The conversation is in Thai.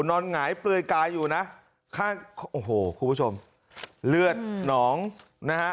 หงายเปลือยกายอยู่นะข้างโอ้โหคุณผู้ชมเลือดหนองนะฮะ